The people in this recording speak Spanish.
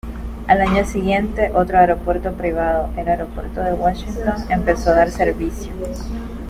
Al año siguiente otro aeropuerto privado, el Aeropuerto de Washington, empezó a dar servicio.